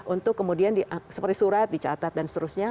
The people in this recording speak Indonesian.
untuk kemudian seperti surat dicatat dan seterusnya